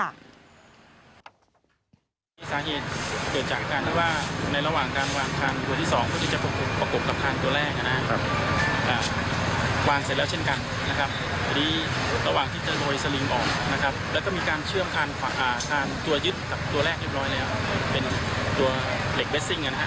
สาเหตุเกิดจากการวางคานที่สอง